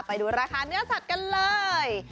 ไปดูราคาเนื้อสัตว์กันเลย